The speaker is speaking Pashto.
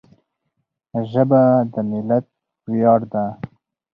ژبه د ملت ویاړ ده